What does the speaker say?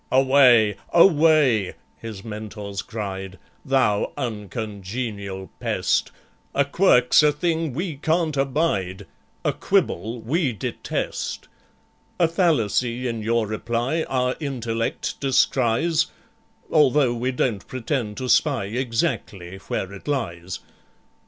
"Away, away!" his Mentors cried, "Thou uncongenial pest! A quirk's a thing we can't abide, A quibble we detest! "A fallacy in your reply Our intellect descries, Although we don't pretend to spy Exactly where it lies.